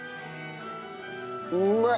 うまい！